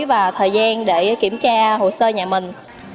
và thời gian để kiểm tra hồ sơ nhà mình